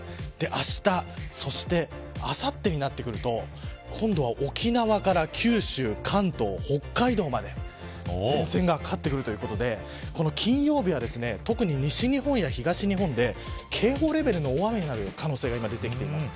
あしたそして、あさってになってくると今度は沖縄から九州関東、北海道まで前線がかかってくるということで金曜日は特に西日本や東日本で警報レベルの大雨になる可能性が出てきています。